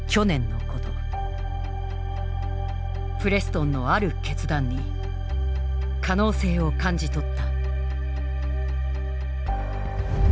プレストンのある決断に可能性を感じ取った。